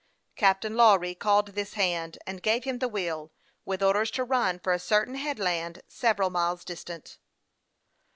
Captain La*wry called this hand, and gave him the wheel, with orders to run for a certain headland several miles distant.